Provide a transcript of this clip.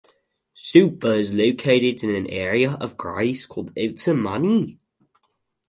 Stoupa is located in an area of Greece called Outer Mani.